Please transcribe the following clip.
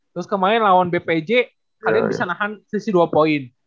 terus kemarin lawan bpj kalian bisa nahan selisih dua poin